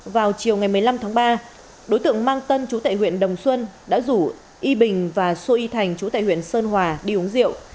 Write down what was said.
vào chiều ngày một mươi năm tháng ba đối tượng mang tân chú tại huyện đồng xuân đã rủ y bình và xu y thành chú tại huyện sơn hòa đi uống rượu